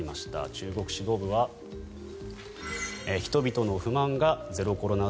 中国指導部は人々の不満がゼロコロナ